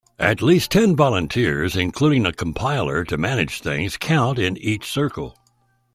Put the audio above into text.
At least ten volunteers, including a compiler to manage things, count in each circle.